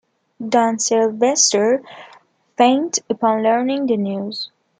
Don Silvestre faints upon learning the news.